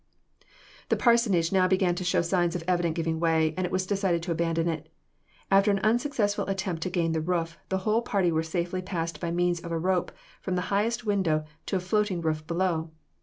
The parsonage now began to show evident signs of giving way, and it was decided to abandon it. After an unsuccessful attempt to gain the roof, the whole party were safely passed by means of a rope from the highest window to a floating roof below.